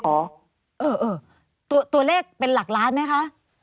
เออตัวเลขเป็นหลักล้านไหมคะ